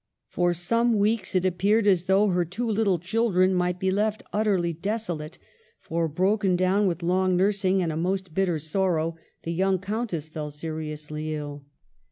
For some weeks it appeared as though her two little children might be left utterly desolate ; for, broken down with long nursing and a most bitter sorrow, the young Countess fell seriously ill.